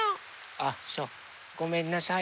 あっそうごめんなさい。